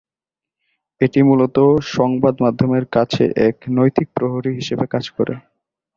এটি মূলত সংবাদ মাধ্যমের কাছে এক নৈতিক প্রহরী হিসাবে কাজ করে।